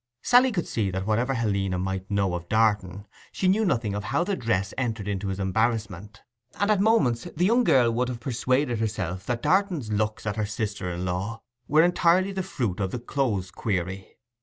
Sally could see that whatever Helena might know of Darton, she knew nothing of how the dress entered into his embarrassment. And at moments the young girl would have persuaded herself that Darton's looks at her sister in law were entirely the fruit of the clothes query.